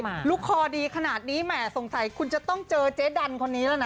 ลูกคอดีขนาดนี้แหมสงสัยคุณจะต้องเจอเจ๊ดันคนนี้แล้วนะ